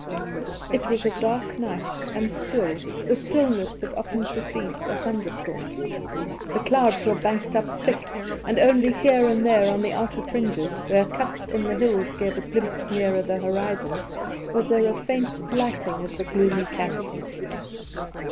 It was a dark night and still— the stillness that often precedes a thunderstorm. The clouds were banked up thick, and only here and there on the outer fringes, where cuts in the hills gave a glimpse nearer the horizon, was there a faint lighting of the gloomy canopy.